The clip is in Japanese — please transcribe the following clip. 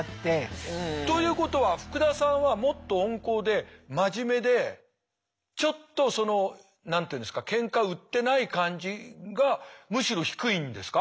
ということは福田さんはもっと温厚で真面目でちょっとその何て言うんですかケンカ売ってない感じがむしろ低いんですか？